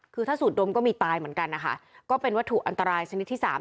คือถ้าสูดดมก็มีตายเหมือนกันนะคะก็เป็นวัตถุอันตรายชนิดที่สาม